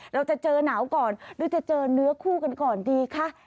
เราจะเจอหนาวก่อนหรือจะเจอเนื้อคู่กันก่อนดีคะ